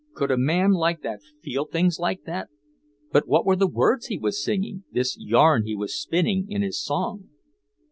Could a man like that feel things like that? But what were the words he was singing, this yarn he was spinning in his song?